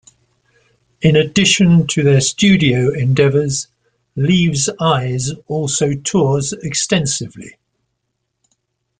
In addition to their studio endeavors, Leaves' Eyes also tours extensively.